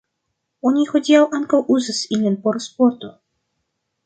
Oni hodiaŭ ankaŭ uzas ilin por sporto.